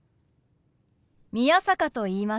宮坂と言います。